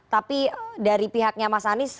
tapi dari pihaknya mas anies